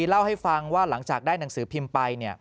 เล่าให้ฟังว่าหลังจากได้หนังสือพิมพ์ไป